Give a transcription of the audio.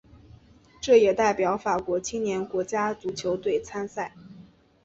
他也代表法国青年国家足球队参赛。